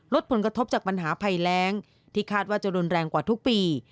ลดผลกระทบจากปัญหาภัยแรงที่คาดว่าจะรุนแรงกว่าทุกปี